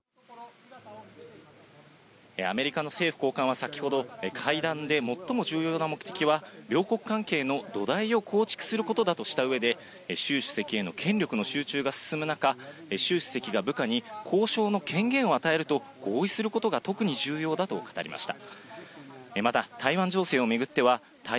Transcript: アメリカの政府高官は先ほど会談で、最も重要な目的は、両国関係の土台を構築することだとしたうえで、シュウ主席への権力の集中が進む中、シュウ主席が部下に交渉の権限を与えると合意することが特に重要だと語りました。